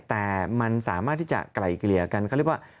แต่มันสามารถที่จะไกลเกลียว่าการเค้าว่า